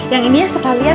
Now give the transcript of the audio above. yang ini ya sekalian